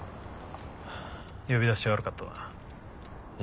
呼び出して悪かったな。